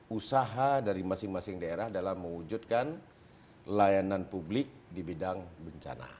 usaha dari masing masing daerah dalam mewujudkan layanan publik di bidang bencana